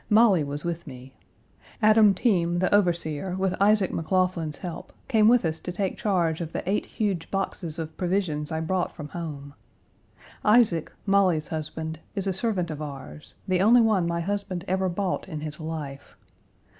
Molly was with me. Adam Team, the overseer, with Isaac McLaughlin's help, came with us to take charge of the eight huge boxes of provisions I brought from home. Isaac, Molly's husband, is a servant of ours, the only one my husband ever bought in his life.